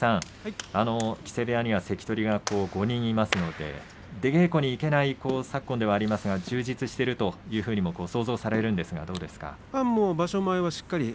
木瀬部屋には関取が５人いますので出稽古に行けない昨今ではありますが充実しているというふうに想像されますが、どうですか。